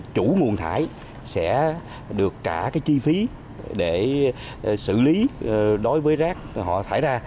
chủ nguồn thải sẽ được trả cái chi phí để xử lý đối với rác họ thải ra